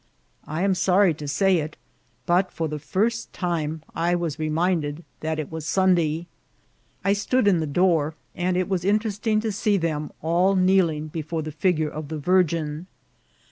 I am sorry to say it, but for the first time I was remind ed that it was Sunday. I stood in the door, and it was interesting to see them all kneeling before the figure of the Virgin.